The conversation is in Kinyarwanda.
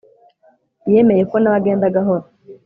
yemeye ko nawe agenda gahoro